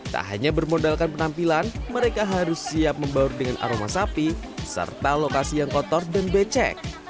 tak hanya bermodalkan penampilan mereka harus siap membaur dengan aroma sapi serta lokasi yang kotor dan becek